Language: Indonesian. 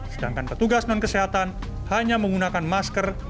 sedangkan petugas non kesehatan hanya menggunakan masker